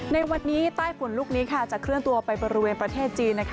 ในวันนี้ใต้ฝุ่นลูกนี้จะเคลื่อนตัวไปบริเวณประเทศจีน